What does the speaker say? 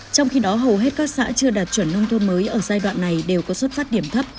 trong khi đó hầu hết các xã chưa đạt chuẩn nông thôn mới ở giai đoạn này đều có xuất phát điểm thấp